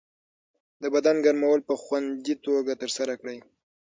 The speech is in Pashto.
د بدن ګرمول په خوندي توګه ترسره کړئ.